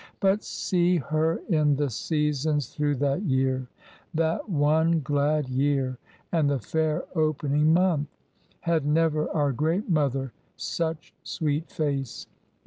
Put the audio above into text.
But see her in the Seasons through that year; That one glad year and the fair opening month. Had never our Great Mother such sweet face!